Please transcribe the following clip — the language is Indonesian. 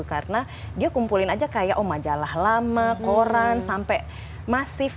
karena dia kumpulin aja kayak oh majalah lama koran sampai masif